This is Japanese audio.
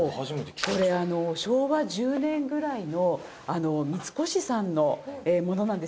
これ昭和１０年ぐらいの三越さんのものなんですよ。